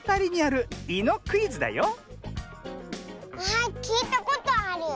あきいたことある。